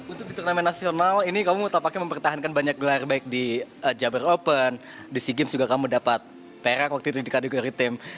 untuk di turnamen nasional ini kamu tampaknya mempertahankan banyak gelar baik di jabar open di sea games juga kamu dapat perak waktu itu di kategori tim